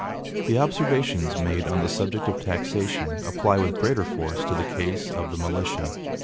(The observations made on the subject of taxation apply with greater force to the case of the militia.